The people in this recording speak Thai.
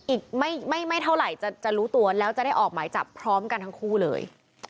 อีกไม่เท่าไหร่จะรู้ตัวแล้วจะได้ออกหมายจับพร้อมกันทั้งคู่เลย